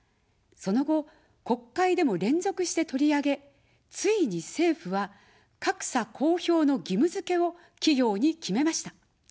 その後、国会でも連続して取り上げ、ついに政府は格差公表の義務づけを企業に決めました。